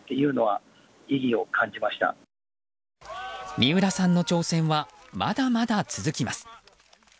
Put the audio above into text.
三浦さんの挑戦はまだまだ続きます。